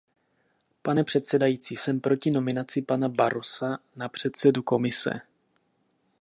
Pane předsedající, jsem proti nominaci pana Barrosa na předsedu Komise.